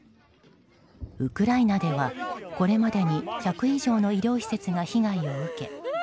ウクライナではこれまでに１００以上の医療施設が被害を受け